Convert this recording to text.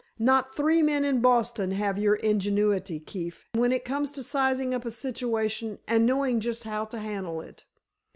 Not three men in Boston have your ingenuity, Keefe, when it comes to sizing up a situation and knowing just how to handle it.